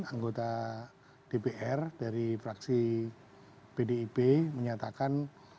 anggota dpr dari fraksi pdip menyatakan